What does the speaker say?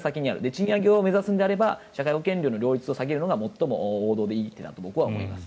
賃上げを目指すのであれば社会保険料の料率を下げるのが最も王道でいいと思います。